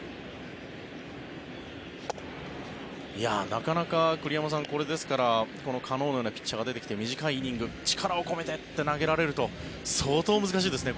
なかなか、栗山さんカノのようなピッチャーが出てきて短いイニング、力を込めてって投げられると相当難しいですね。